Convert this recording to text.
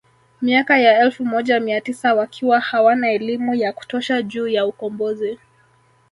Miaka ya elfu moja mia tisa wakiwa hawana elimu ya kutosha juu ya ukombozi